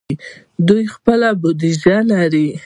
دوی خپله بودیجه لري.